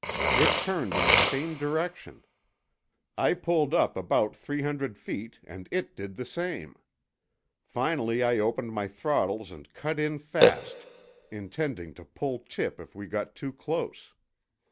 It turned in the same direction. I pulled up about three hundred feet, and it did the same. Finally, I opened my throttles and cut in fast, intending to pull tip if we got too close.